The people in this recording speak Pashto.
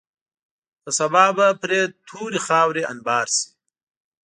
په سبا به پرې تورې خاورې انبار شي.